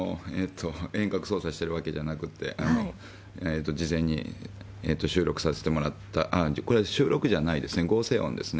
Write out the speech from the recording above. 遠隔操作してるわけじゃなくて、事前に収録させてもらった、これは収録じゃないですね、合成音ですね。